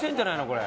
これ。